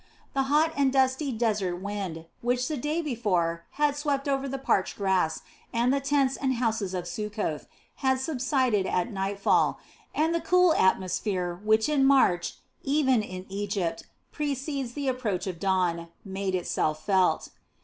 The hot and dusty desert wind, which the day before had swept over the parched grass and the tents and houses of Succoth, had subsided at nightfall; and the cool atmosphere which in March, even in Egypt, precedes the approach of dawn, made itself felt.